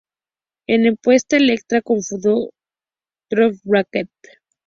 En respuesta, Electra cofundó Head To Hollywood con Baker.